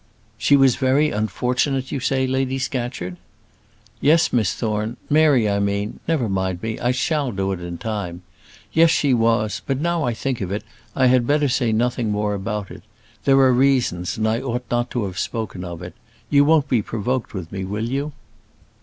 "She was very unfortunate, you say, Lady Scatcherd?" "Yes, Miss Thorne; Mary, I mean never mind me I shall do it in time. Yes, she was; but now I think of it, I had better say nothing more about it. There are reasons, and I ought not to have spoken of it. You won't be provoked with me, will you?"